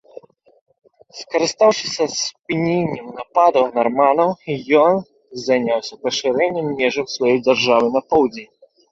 Скарыстаўшыся спыненнем нападаў нарманаў, ён заняўся пашырэннем межаў сваёй дзяржавы на поўдзень.